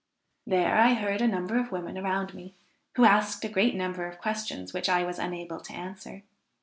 There I heard a number of women around me, who asked a great number of questions which I was unable to answer.